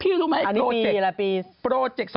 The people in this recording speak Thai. พี่รู้ไหมโปรเจกต์๒๐๐๐